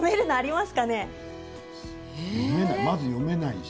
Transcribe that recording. まず読めないし。